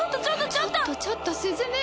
ちょっとちょっとすずめ！